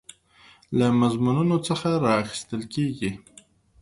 له مضمونونو څخه راخیستل کیږي.